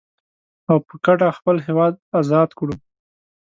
او په کډه خپل هيواد ازاد کړو.